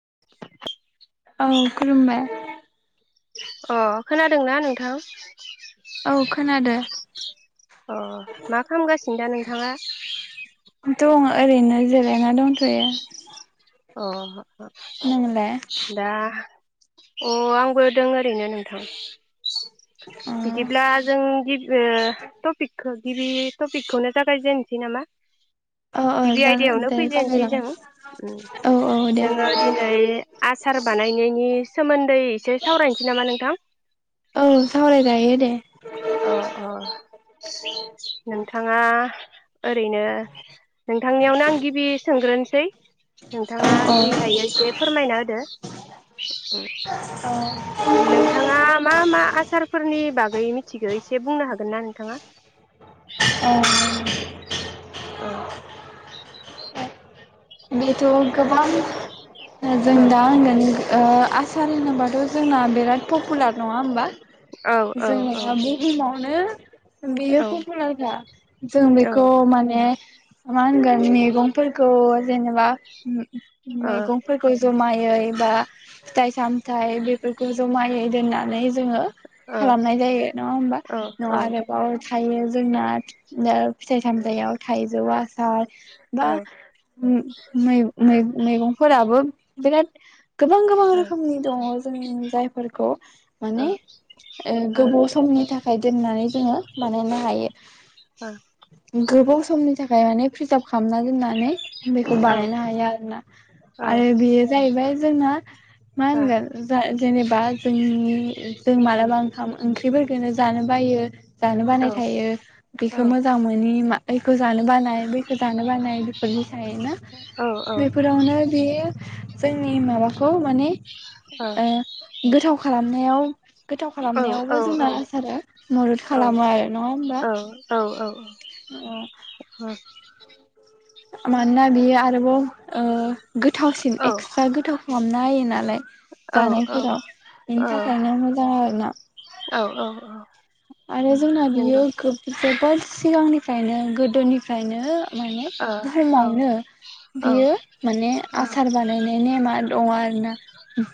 [inaudible] औ खुलुमबाय। अ खोनादोंना नोंथां? औ खोनादो। अ मा खामगासिनो दा नोंथाङा? दं ओरैनो जिरायना दंथयो। अ [unintelligible] नोंलाय? दाह अ आंबो दं ओरैनो नोंथां बिदिब्ला अ जों गि ओ टपिकखो गिबि टपिकखौनो जागायजेनसै नामा? अ अ गिबि जाग आयदायावनो दे जागाय फैजेनसै जों उम जागोन। औ औ दे जोङो दिनै आसार बानायनायनि सोमोन्दै एसे सावरायनसै नामा न नोंथां औ सावराय जायो दे। अ अ नोंथाङा ओरैनो नोंथांनियावनो आं गिबि सोंग्रोनोसै औ नोंथाङा औ जि हायो एसे फोरमायना होदो। नोंथाङा मा मा आसारफोरनि नि बागै मिथि एसे बुंनो हागोन ना नोंथाङा? अह [unintelligible] ओ बेथ गोबां ओ जों औ दा होनगोन ओ आसार होनोबाथ जोंना बिराद पपुलार नङा होमबा औ औ जोङो बुहुमावनो बेयो औ पपुलारखा जों औ ओ बेखौ माने मा होनगोन मेगंफोरखौ जेनेनेबा ओम मैगं फोरखौ जमायै बा फिथाइ सामथाइ बेफोरखौ जमायै दोननानै जोङो ओ औ खालामनाय जायो नङा होमबा औ ओ न ओ आरोबाव थायो जोंना ओ फिथाइ सामथाइ आव थाइजौ आसार बा उम मै-मै-मैगंफोराबो बिराद गोबां गोबां रोखोमनि दङ जों जायफोरखौ माने ओ गोबाव समनि थाखाय दोननानै जोङो बानायनो हायो। गोबाव समनि थाखाय माने प्रिजार्भ खालामना दोननानै बेखौ बानायनो हायो आरोना आरो बेयो जाहैबाय जोंना मा होनगोन जा जेनेबा जोंनि जों मालाबा ओंखाम ओंख्रिफोरखौनो जानो बा बायो जानो बानाय थायो बेखौ मोजां मोनोनि ओइखौ जानो बानाय बैखौ जानो बानाय बेफोरनि थायोना ओ औ बेफोरावनो बेयो जोंनि माबाखौ माने ओ गोथाव खालामनायाव गोथाव औ ओ खालामनायावबो जोंना उम आसारा मदद खालामो आरो नङा होमबा औ औ ओ औ अ मानोना बियो आरोबाव ओ गोथावसिन एक्सट्रा गोथाव खालामना हायो नालाय जानायफोराव औ बेनि थाखायनो मोजां आरो ना औ औ औ आरो उम जोंना बियो नंगौ खोब जोबोद सिगांनिफ्रायनो गोदोनिफ्रायनो माने ओ औ बुहुमावनो औ बियो माने आसार बानायनाय नेमा दङो आरो ना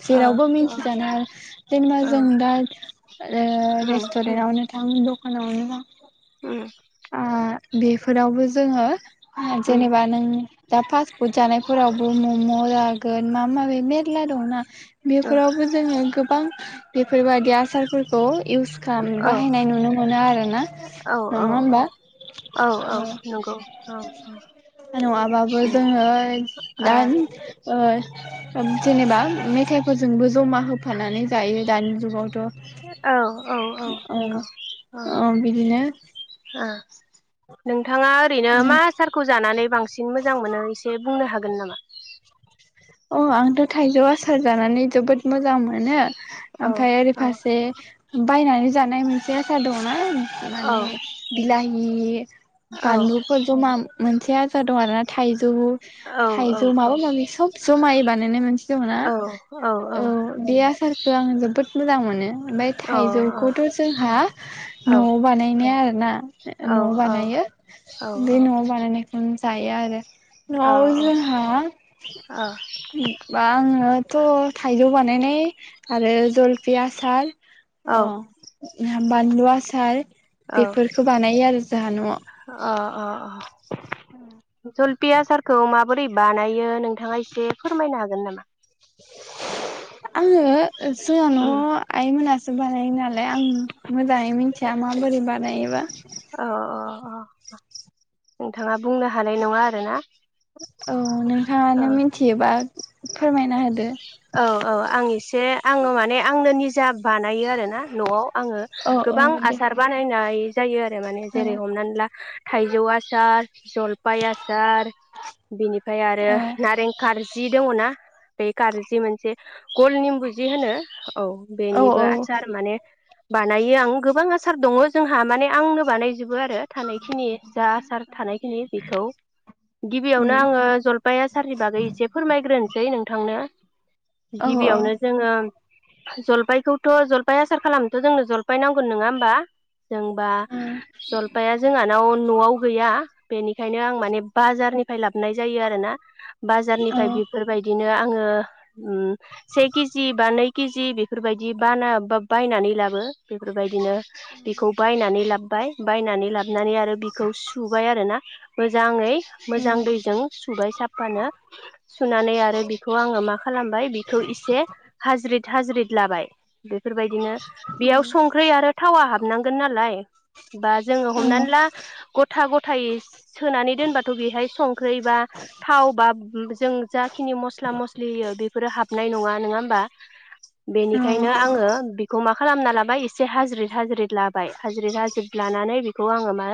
जेरावबो औ औ मिथिजानो जेनेबा औ जों दा उम रे-रेस्टुरेन उम बेेरायनो थांदो [unintelligible] उम उम बेफोरावबो जोङो हा उम जेनेबा नों दा फास फुड जानायफोरावबो मम जागोन मा माबि मेरला दंना ओ बेफोरावबो जोङो गोबां बेफोरबायदि आसारफोरखौ इउस खालाम औ बाहायनाय नुनो मोनो आरो ना औ नङा होमबा औ औ ओ नंगौ औ औ नङाबाबो जोङो दा ओ जेनेबा मेथाइ फोरजोंबो जमा होफानानै जायो दानि जुगावथ औ औ औ ओ नंगौ ओ बिदिनो ओ नोंथाङा ओरैनो मा आसारखौ जानानै बांसिन मोजां मोनो एसे बुंनो हागोन नामा अ आंथ थाइजौ आसार जानानै जोबोद मोजां मोनो औ ओमफ्राय ओरै औ फारसे बायनानै जानाय मोनसे आसार दङना औ माने बिलाहि औ बानलुफोर जमा मोनसे आसार दं आरोना थाइज जौ औ थाइजौ माबा माबि सब जमायै बानायनाय मोनसे दङ ना औ औ बे आसारखौ आं जोबोद मोजां मोनो ओमफ्राय औ औ थाइजौखौथ जोंहा नआव अ बानायनाया आरोना अ औ अ औ नआव बानायो बे नआव बानायनायखौनो दाया आरो नआव जोंहा आङोथ थाइजौ बानाय [unintelligible] आरो जलफि आसार अ बानलु आसार औ अ बेफोरखौ बानायो आरो जोहा नआव अ अ अ ओम बे आसारखौ माबोरै बानायो नोंथाङा एसे फोरमायनो हागोन नामा आङो जोंहा नआव अ आइमोना [unintelligible] [unintelligible] आं मोजाङै मिथिया माबोरै बानायोबा अ अ नोंथाङा बुंनो हानाय नङा आरोना औ औ नोंथाङानो मिथियोबा फोरमायना होदो औ औ आं एसे आङो माने आंनो निजा बानायो आरोना नआव आङो औ औ गोबां दे आसार बानायनाय जायो आरो माने जेरै हमनानै ला थाइजौ आसार जलफाय आसार बिनिफ्राय आरो औ नारें खार्जि दङ ना बे गारजि मोनसे गल निमबुजि होनो औ औ बेनिबो औ आसार माने बानायो आं गोबां आसार दङ जोंहा माने आंनो बानायजोबो आरो थानायखिनि जा आसार थानायखिनि बेखौ गिबियावनो उम आङो जलपाय आसारनि बागै एसे फोरमायग्रोनोसै नों थांनाया औ गिबियावनो जोङो जलफायखौथ जलफाय आसार खालामनोथ जोंनो जलफाय नांगोन नोङा होमबा जोंबा औ जलफाया जोंहानाव नआव गैया बेनिखायनो आं माने बाजारनिफ्राय लाब [unintelligible] जायो आरो ना औ बाजारनिफाय बेफोरबायदि दा आङो उम से केजि बा नै केजि बेफोरबायदि बाना बा बायनानै लाबो बेफोरबायदिनो बिखौ बायनानै लाब बाय बायनानै लाब नानै आरो बिखौ सुबाय आरो ना। मोजाङै औ मोजां दैजों सुबाय साफानो सुनानै आरो बिखौ आङो मा खालामबाय बिखौ इसे हाज्रिद थाज्रिद लाबाय बे फोरबायदिनो बेयाव संख्रै आरो थावा हाबनांगोन नालाय बा जोङो औ हमनानै ला गथा गथायै सोनानै दोनबाथ बेहाय संख्रै बा थाव बा उम जों जाखिनि मस स्ला मस्लि हैयो बेफोरो हाबनाय नङा। नोङा होमबा? बेनिखायनो आङो बिखौ मा खालामना लाबाय इसे हाज्रिद हाज्रिद लाबाय हाज्रिद हाज्रिद लानानै बिखौ आङो मा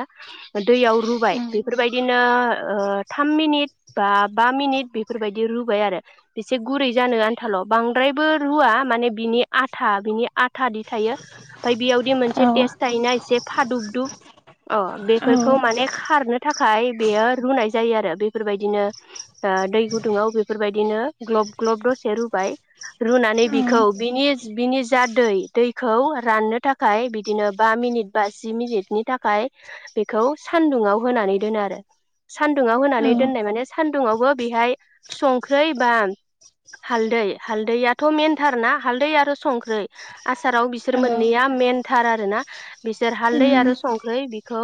दैयाव रुबाय बेफोरबायदिनो दा ओ थाम मिनिट बा बा मिनिट बेफोरबायदि रुबाय आरो बेसे गुरै जानो आन्थाल बांद्रायबो रुवा माने बिनि आथा बिनि आथादि थायो फाय बियाव बे मोनसे टेस्ट थायोना एसे फादुबदुब अ औ बेफोरखौ माने खारनो थाखाय बेयो रुनाय जायो आरो बेफोरबायदिनो ओ दै गुदुङाव बेफोरबाय दिनो ग्लब ग्लब दसे रुबाय रुनानै औ बिखौ बिनि बिनि जा दै दैखौ राननो थाखाय बिदिनो बा मिनिट बा जि मिनिटनि थाखाय बेखौ सानदुङाव होनानै दोनो आरो सानदुुङाव बिराद औ होनानै दोननाय माने सानदुुङावबो बिहाय सं ख्रै बान हालदै हालदैयाथ मेनथार ना हालदै आरो संख्रै आसाराव बिसोर मोननैया मेनथार आरोना बिसोर हालदै आरो संख्रै बिखौ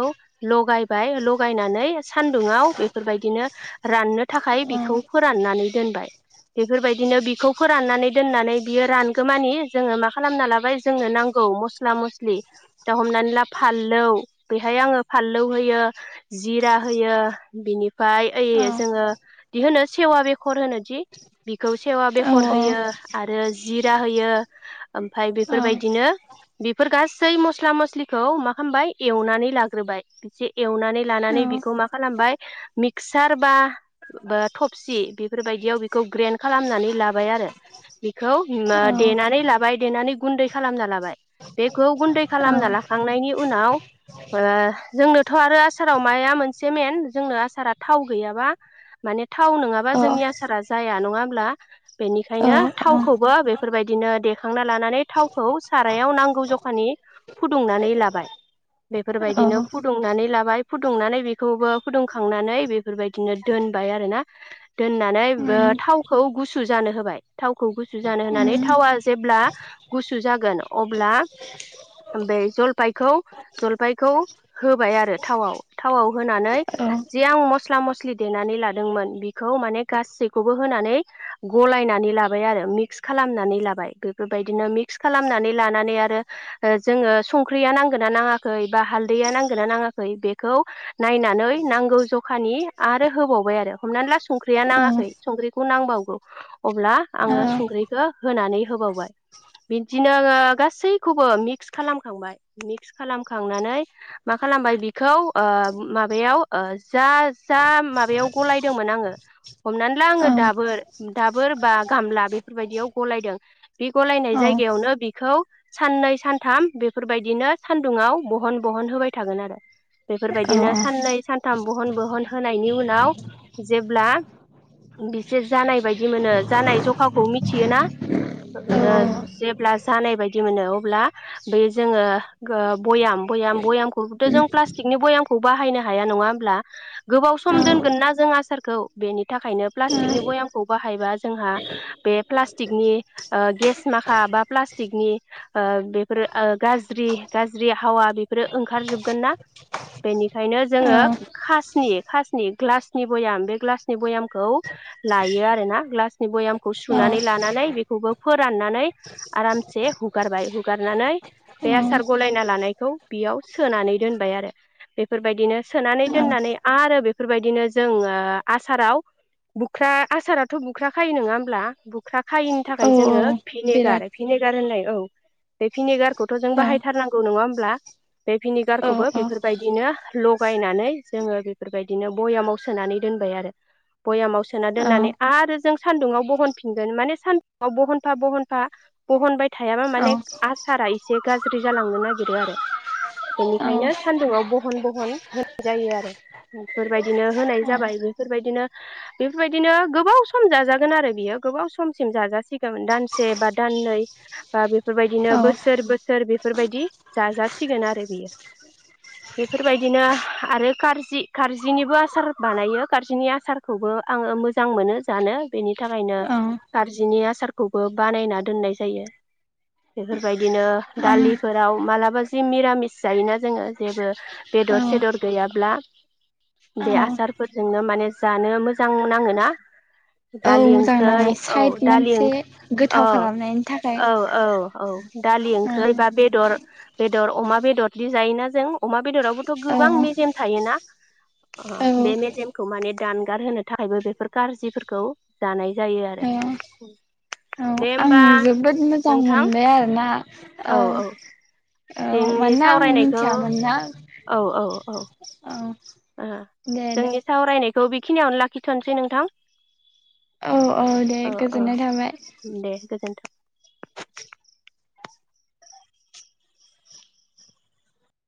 लगायबाय लगायनानै सानदुङाव बेफोरबायदिनो राननो थाखाय बिखौ फोराननानै दोनबाय बेफोरबायदिनो बिखौ फोराननानै दोननानै बियो रानगो मानि जोङो मा खालामना लाबाय जोंनो नांगौ मस्ला मस्लि दा हमनानै ला फाललौ बेहाय आङो फाललौ होयो जिरा होयो बिनिफाय ओइ औ जोङो दिहोनो सेवा बे खर होनोदि बेखौ सेवा औ बेखर होयो आरो जिरा होयो ओमफाय औ बेफोरबायदिनो बिफोर गासै मस्ला मस्लिखौ मा खामबाय एवनानै लाग्रोबाय एसे एवनानै लानानै बेखौ मा खालामबाय मिक्सार बा बो थबसि बे फोरबायदियाव बेखौ ग्रेन्ड खालामनानै लाबाय आरो बिखौ मो औ देनानै लाबाय देनानै गुन्दै खालामना लाबाय बेखौ गुन्दै खालामना लाखांनायनि उनाव ओ जोंनोथ आरो आसाराव माया मोनसे मेन जोंनो आसारा थाव गैयाबा माने थाव नङाबा आं औ जोंनि आसारा जाया नङा होमब्ला बेनिखायनो थावखौबो बेफोरबायदिनो देखांना लानानै थावखौ सारायाव नांगौ जखानि फुदुंनानै लाबाय। बेफोरबायदिनो फुदुंनानै ला लाय फुदुंनानै बेखौबो फुदुंखांनानै बेफोरबायदिनो दोनबाय आरोना दोननानै ओ थावखौ गुसु जानो होबाय थावखौ गुसु जानो होनानै थावा जेब्ला गुसु जागोन अब्ला बै जलफायखौ जलफायखौ होबाय आरो थावआव थावआव होनानै जि आं मस्ला मस्लि देनानै लादोंमोन बि खौ माने गासैखौबो होनानै गलायनानै लाबाय आरो मिक्स खालामनानै लाबाय बेफोरबायदिनो मिक्स खालामनानै लानानै आरो जोङो संख्रिया नांगोन ना नाङाखै बा हालदैया नांगोन ना नाङाखै बेखौ नायनानै नांगौ जखानि आरो होबावबाय आरो हमनानै ला संख्रिया नाङाखै संख्रिखौ नांबावगौ अब्ला आङो संख्रिखौ होनानै होबावबाय बिदिनो गासैखौबो मिक्स खालामखांबाय मिक्स खालामखांनानै मा खालामबाय बिखौ ओ माबायाव ओ जा जा माबायाव गलायदोंमोन आङो हमनानै ला आङो दाबोर दाबोर बा गामला बेफोरबायदियाव गलायदों। बे गलायनाय जायगायावनो बिखौ साननै सानथाम बेफोरबायदिनो सान्दुङाव बहन बहन होबाय थागोन आरो औ बेफोरबायदिनो साननै सान थाम बहन बहन होनायनि उनाव जे ब्ला बिसोर जानाय बायदि मोनो जानाय जखाखौ मिथियोना ओ जेब्ला जानाय बायदि मोनो अब्ला बे जोङो भयाम-भयाम भयामखौबोथ जों प्लास्टिकनि बयामखौ बाहायनो हाया नङा होमब्ला गोबाव सम दोनगोन ना जों आसार खौ बेनि थाखायनो प्लास्टिकनि बयामखौ बाहायबा जोंहा बे प्लास्टिक नि ओ गेस माखा बा प्लाकनि ओ बेफोर ओ गाज्रि गाज्रि हावा बेफोरो ओंखारजोबगोन ना बेनिखायनो जोङो खासनि-खासनि ग्लासनि बयाम बे ग्लासनि बयामखौ लायो आरोना ग्लासनि बयामखौ सुनानै लानानै बेखौबो फोराननानै आरामसे हुगारबाय हुगारनानै बे आसार गलायना लानायखौ बेयाव सोनानै दोनबाय आरो बेफोरबायदिनो सोनानै दोननानै आरो बेफोरबायदिनो जोङो आसाराव बुख्रा आसाराथ बुख्रा खायो नोङा होमब्ला बुख्रा खायैनि थाखाय जोङो भिनेगार भिनेगार होननाय औ। बे भिनेगारखौथ जों बाहायथारनांगौ नङा होमब्ला बे भिनेगारखौबो बेफोरबायदिनो लगायनानै जोङो बेफोरबायदिनो भयामाव सोनानै दोनबाय आरो बयामाव सोना दोननानै आरो जों सान्दुुङाव बहनफिनगोन माने सान्दुङाव बहनफा बहनफा बहनबाय थायाबा माने आसारा एसे गाज्रि जालांनो नागिरो आरो बेनिखायनो सान्दुुङाव बहन बहन होनाय जायो आरो बेफोरबायदिनो होनाय जाबाय बेफोरबायदिनो बेफोरबायदिनो गोबाव सम जाजागोन आरो बियो गोबाव समसिम जाजासिगोन दानसे बा दाननै बा बेफोरबायदिनो बोसोर बोसोर बेफोरबायदि जाजासिगोन आरो बियो बेफोरबायदिनो आरो कारजि-कारजिनिबो आसार बानायो कार्जिनि आसारखौबो आङो मोजां मोनो जानो बेनि थाखायनो कार्जिनि आसारखौबो बानायना दोननाय जायो बेफोरबायदिनो दालिफोराव मालाबा जि मिरामिस जायोना जोङो जेबो बेदर सेदर गैयाब्ला औ बे आसार फोरजोंनो माने जानो मोजां नाङो ना। दालि मोजां ओंख्रै नाङो साइद दालि मोनसे ओं गोथाव खालामनायनि थाखाय दालि औ ओंख्रै बा बेदर बेदर अमा बेदरदि जायोना जों अमा बेदरावबोथ औ गोबां मेजेम थायोना। औ बे मेजेमखौ माने दानगार होनो थाखायबो बेफोर कारजिफोरखौ जानाय जायो आरो। औ दे होमबा जोबोद मोजां नोंथां मोनबाय आरो ना। औ जोंनि मानोना आं सावरायनायखौ मिथियामोन ना। औ औ औ औ दे दे जोंनि सावरायनायखौ खौ बेखिनियावनो लाखिथनोसै नोंथां। औ दे गोजोननाय थाबाय। दे गोजोन्थों।